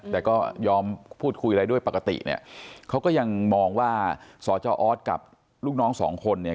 แต่ก็ยอมพูดคุยอะไรด้วยปกติเนี่ยเขาก็ยังมองว่าสจออสกับลูกน้องสองคนเนี่ย